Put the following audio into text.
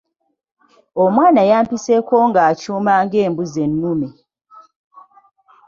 Omwana yampiseeko nga akyuma ng’embuzi ennume.